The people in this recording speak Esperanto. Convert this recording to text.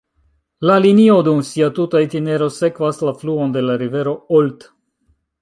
La linio dum sia tuta itinero sekvas la fluon de la rivero Olt.